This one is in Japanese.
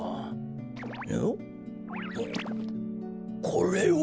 これは。